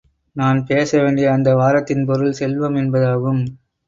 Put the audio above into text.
நான் பேச வேண்டிய அந்த வாரத்தின் பொருள் செல்வம் என்பதாகும்.